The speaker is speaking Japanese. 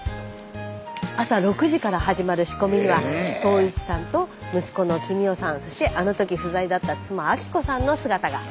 朝６時から始まる仕込みには東一さんと息子の公雄さんそしてあの時不在だった妻昭子さんの姿が。